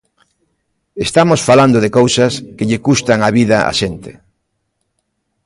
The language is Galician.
Estamos falando de cousas que lle custan a vida á xente.